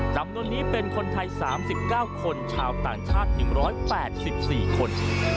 จำนวนนี้เป็นคนไทย๓๙คนชาวต่างชาติ๑๘๔คน